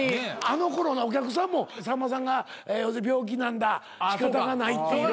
あのころお客さんもさんまさんが病気なんだ仕方がないっていう。